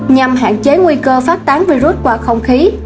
nhằm hạn chế nguy cơ phát tán virus qua không khí